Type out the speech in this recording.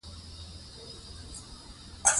نارينه د خپل ټولنيز ذهنيت پر بنسټ داسې فکر کوي